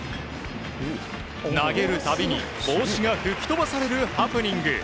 投げるたびに帽子が吹き飛ばされるハプニング。